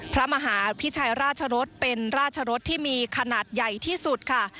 พระมหาพิชัยราชรสเป็นราชรสที่มีขนาดใหญ่ที่สุดค่ะ